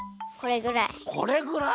これぐらい。